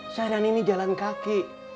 sekarang ini jalan kaki